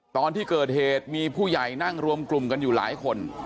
ตอนที่เกิดเหตุมีผู้ใหญ่นั่งรวมกลุ่มกันอยู่หลายคน